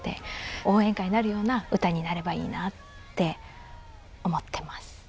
応援歌になるような歌になればいいなって思ってます。